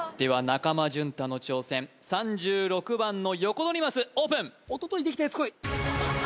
中間淳太の挑戦３６番のヨコドリマスオープンおとといできたやつこい！